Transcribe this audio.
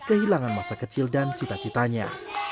kehilangan masa kecil dan cita citanya